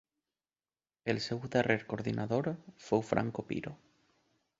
El seu darrer coordinador fou Franco Piro.